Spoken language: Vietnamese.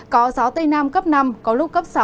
có gió tây nam cấp năm có lúc cấp sáu